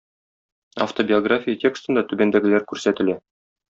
Автобиография текстында түбәндәгеләр күрсәтелә